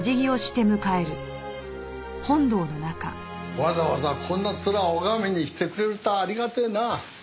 わざわざこんな面を拝みに来てくれるとはありがてえな。